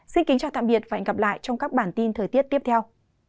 xin kính chào tạm biệt và hẹn gặp lại trong các bản tin thời tiết tiếp theo